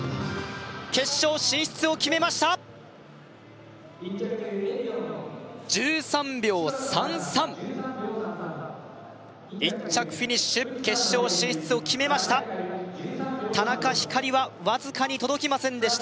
決勝進出を決めました１３秒３３１着フィニッシュ決勝進出を決めました田中陽夏莉はわずかに届きませんでした